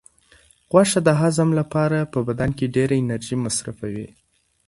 غوښه د هضم لپاره په بدن کې ډېره انرژي مصرفوي.